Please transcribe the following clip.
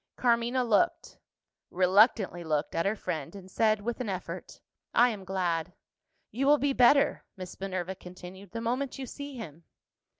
Carmina looked reluctantly looked at her friend, and said, with an effort, "I am glad." "You will be better," Miss Minerva continued, "the moment you see him."